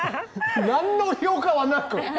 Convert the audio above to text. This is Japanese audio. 何の評価もなく！